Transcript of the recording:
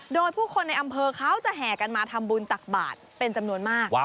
โดยผู้คนในอำเภอเขาจะแห่กันมาทำบุญตักบาทเป็นจำนวนมาก